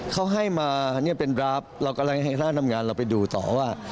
เขาให้มาอันนี้เป็นดราฟเรากำลังให้คณะทำงานเราไปดูต่อว่า